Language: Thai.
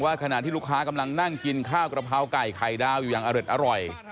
ขณะที่ลูกค้ากำลังนั่งกินข้าวกระเพราไก่ไข่ดาวอยู่อย่างอร็ดอร่อย